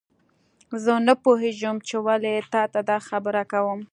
زه نه پوهیږم چې ولې تا ته دا خبره کوم